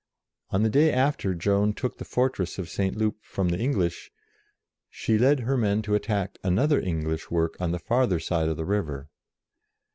On the day after Joan took the fortress of St. Loup from the English, she led her men to attack another English work on the farther side of the river.